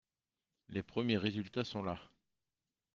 Les premiers résultats sont là.